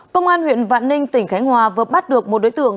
công an huyện vạn ninh tỉnh khánh hòa vừa bắt được một đối tượng